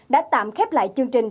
đã tạm khép lại chương trình